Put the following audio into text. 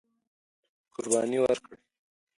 قرباني ورکړئ.